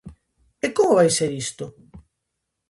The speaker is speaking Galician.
E como vai ser isto?